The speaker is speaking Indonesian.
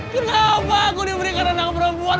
kenapa aku diberikan renang perempuan